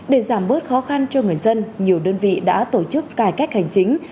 để giảm bớt khó khăn cho người dân nhiều đơn vị đã tổ chức cải cách hành chính